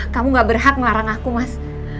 kamu gak berhak melarang aku mas